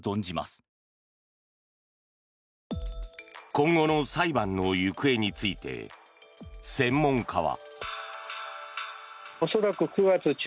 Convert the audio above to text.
今後の裁判の行方について専門家は。